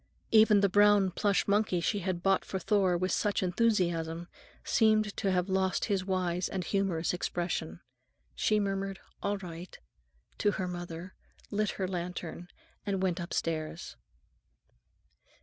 Even the brown plush monkey she had bought for Thor with such enthusiasm seemed to have lost his wise and humorous expression. She murmured, "All right," to her mother, lit her lantern, and went upstairs.